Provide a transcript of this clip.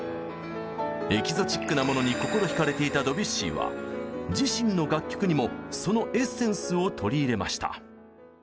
エキゾチックなものに心ひかれていたドビュッシーは自身の楽曲にもそのエッセンスを取り入れました。